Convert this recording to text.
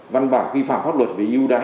văn bản quy phạm pháp luật về yêu đái